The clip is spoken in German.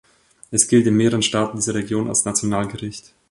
Es gilt in mehreren Staaten dieser Region als Nationalgericht.